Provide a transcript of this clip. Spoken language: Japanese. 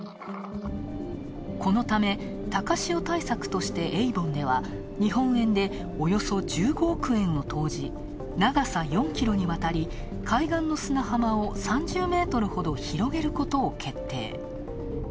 このため、高潮対策としてエイボンでは日本円で、およそ１５億円を投じ、長さ４キロにわたり海岸の砂浜を３０ｍほど広げることを決定。